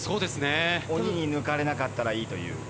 鬼に抜かれなかったらいいという。